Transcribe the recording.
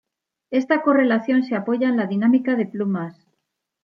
Esta correlación se apoya en la dinámica de plumas.